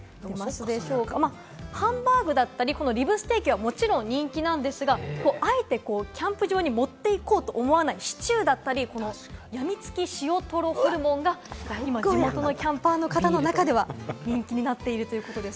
ハンバーグだったり、リブステーキはもちろん人気なんですが、あえてキャンプ場に持って行こうと思わないシチューだったり、やみつき塩とろホルモンが今地元のキャンパーの方の中では人気になっているということです。